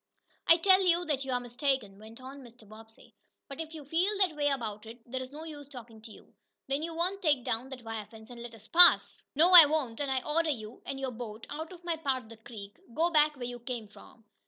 "I tell you that you are mistaken," went on Mr. Bobbsey. "But if you feel that way about it, there is no use talking to you. Then you won't take down that wire fence and let us pass?" "No, I won't, and I order you, and your boat, out of my part of the creek. Go back where you come from.